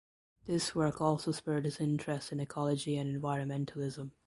This work also spurred his interest in ecology and environmentalism.